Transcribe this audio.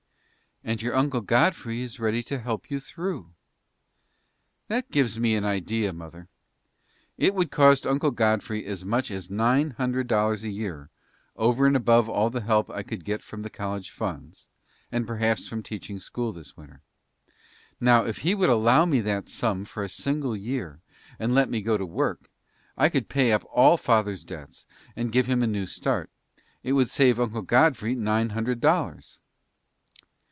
"And your uncle Godfrey is ready to help you through." "That gives me an idea, mother. It would cost Uncle Godfrey as much as nine hundred dollars a year over and above all the help I could get from the college funds, and perhaps from teaching school this winter. Now, if he would allow me that sum for a single year and let me go to work, I could pay up all father's debts, and give him a new start. It would save Uncle Godfrey nine hundred dollars."